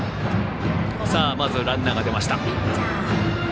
まずランナーが出ました。